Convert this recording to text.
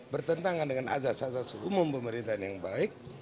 bertentangan dengan azas azas umum pemerintahan yang baik